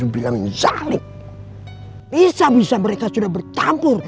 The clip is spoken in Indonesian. bisa bisa mereka sudah bertampur